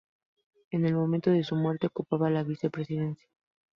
En el momento de su muerte ocupaba la vicepresidencia.